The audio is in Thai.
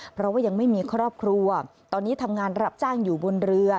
เพราะว่ายังไม่มีครอบครัวตอนนี้ทำงานรับจ้างอยู่บนเรือ